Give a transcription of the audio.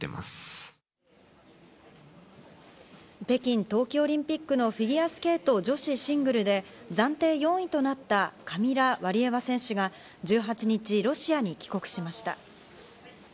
北京冬季オリンピックのフィギュアスケート女子シングルで、暫定４位となった、カミラ・ワリエワ選手が１８日、ロシアに帰国しました。